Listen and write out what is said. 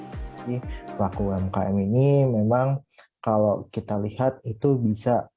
pelaku umkm ini memang kalau kita lihat itu bisa